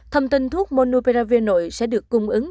thông tin thuốc monopiravir nội sẽ được cung ứng